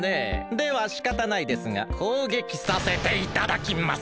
ではしかたないですがこうげきさせていただきます！